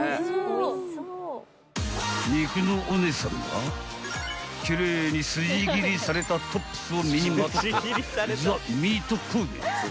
［肉のお姉さんは奇麗に筋切りされたトップスを身にまとったザミートコーデ］